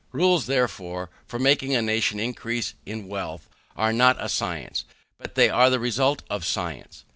Rules, therefore, for making a nation increase in wealth, are not a science, but they are the results of science.